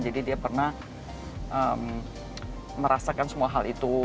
jadi dia pernah merasakan semua hal itu